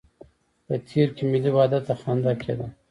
په تېر کې ملي وحدت ته خنده کېده.